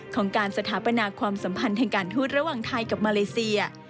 ของการสถาปนาความสัมพันธ์ทางการทูตระหว่างไทยกับมาเลเซีย